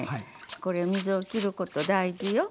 これ水をきること大事よ。